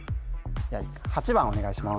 ８番お願いします